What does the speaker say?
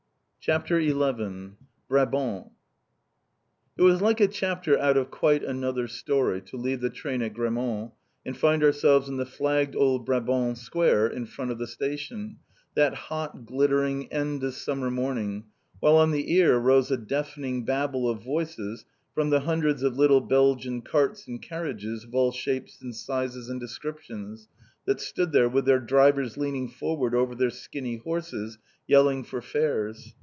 CHAPTER XI BRABANT It was like a chapter out of quite another story to leave the train at Grammont, and find ourselves in the flagged old Brabant square in front of the station, that hot glittering end o' summer morning, while on the ear rose a deafening babel of voices from the hundreds of little Belgian carts and carriages of all shapes and sizes and descriptions, that stood there, with their drivers leaning forward over their skinny horses yelling for fares.